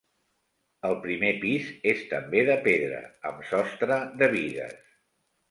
El primer pis és també de pedra, amb sostre de bigues.